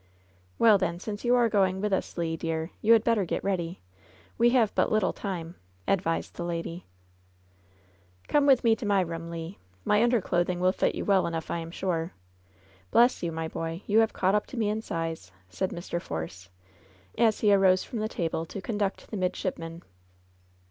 ^Well, then, since you are going with us, Le, dear, you had better get ready. We have but little time," advised the lady. 70 LOVE'S BITTEREST CUP "Come with me to my room, Le, My amderclothing will fit you well enough, I am sure. Bless you, my boy I you have caught up to me in size,'' said Mr. Force, as he arose from the table to conduct the midshipman.